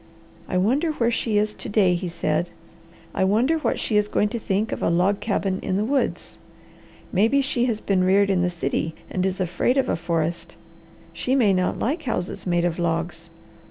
"I wonder where she is to day," he said. "I wonder what she is going to think of a log cabin in the woods. Maybe she has been reared in the city and is afraid of a forest. She may not like houses made of logs.